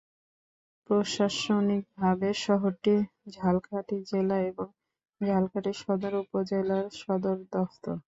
প্রশাসনিকভাবে শহরটি ঝালকাঠি জেলা এবং ঝালকাঠি সদর উপজেলার সদর দফতর।